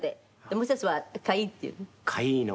もう一つは「かいー」っていうの？